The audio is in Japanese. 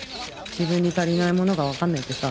自分に足りないものが分かんないってさ。